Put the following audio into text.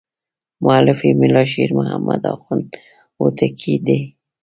مؤلف یې ملا شیر محمد اخوند هوتکی دی.